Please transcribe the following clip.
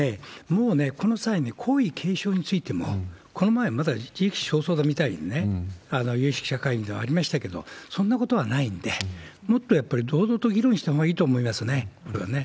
もうね、この際、皇位継承についても、この前、まだ時期尚早だみたいなね、有識者会議ではありましたけれども、そんなことはないんで、もっとやっぱり堂々と議論したほうがいいと思いますよね、これはね。